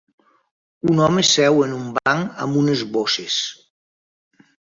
Un home seu en un banc amb unes bosses.